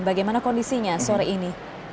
bagaimana kondisinya sore ini